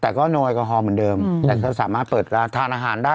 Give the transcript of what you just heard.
แต่ก็ไม่มีแอลกอฮอล์เหมือนเดิมแต่เขาสามารถเปิดทานอาหารได้